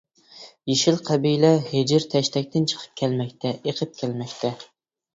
يېشىل قەبىلە ھېجىر تەشتەكتىن چىقىپ كەلمەكتە، ئېقىپ كەلمەكتە.